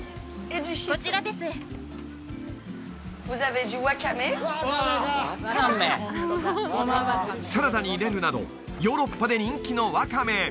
こちらですワカメサラダに入れるなどヨーロッパで人気のワカメ